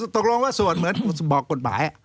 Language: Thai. ตกลงว่าสวดเหมือนบอกกฎหมาย